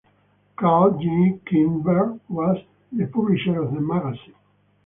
Karl G. Kindberg was the publisher of the magazine.